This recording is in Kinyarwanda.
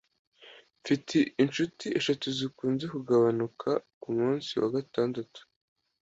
Mfite inshuti eshatu zikunze kugabanuka kumunsi wa gatandatu.